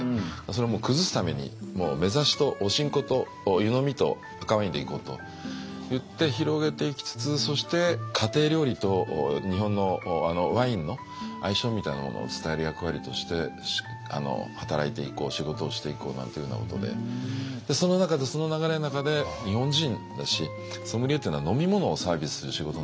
それをもう崩すためにめざしとお新香と湯飲みと赤ワインでいこうといって広げていきつつそして家庭料理と日本のワインの相性みたいなものを伝える役割として働いていこう仕事をしていこうなんていうふうなことでその中でその流れの中で日本人だしソムリエっていうのは飲み物をサービスする仕事なので。